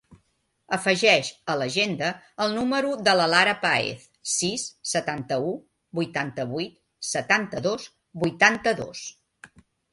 Afegeix a l'agenda el número de la Lara Paez: sis, setanta-u, vuitanta-vuit, setanta-dos, vuitanta-dos.